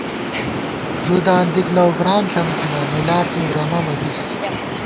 ݫُداں دِک لَؤگران ݪم تھنہ، نِلا ݪی رمہ مَبِس